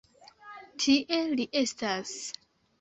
Tie li estas!